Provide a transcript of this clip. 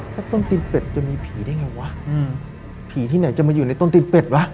แล้วต้นตีนเป็ดจะมีผีได้ไงวะอืมผีที่ไหนจะมาอยู่ในต้นตีนเป็ดวะ